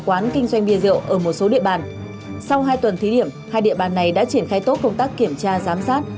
quán kinh doanh bia rượu ở một số địa bàn sau hai tuần thí điểm hai địa bàn này đã triển khai tốt công tác kiểm tra giám sát